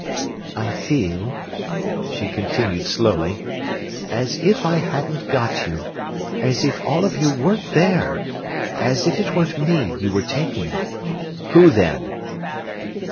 "I feel," she continued slowly, "as if I hadn't got you, as if all of you weren't there, and as if it weren't me you were taking—" "Who, then?"